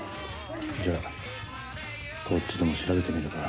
じゃこっちでも調べてみるか。